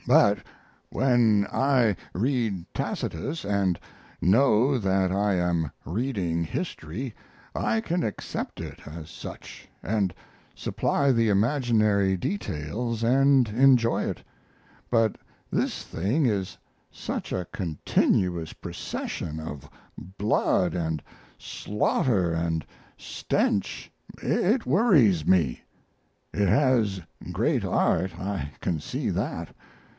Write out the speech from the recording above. But when I read Tacitus and know that I am reading history I can accept it as such and supply the imaginary details and enjoy it, but this thing is such a continuous procession of blood and slaughter and stench it worries me. It has great art I can see that.